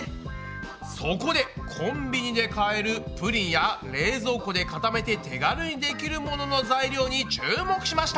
そこでコンビニで買えるプリンや冷蔵庫で固めて手軽にできるものの材料に注目しました！